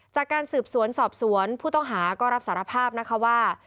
จากการสืบสวนสอบสวนผู้ต้องหาก็รับสารภาพนะคะว่า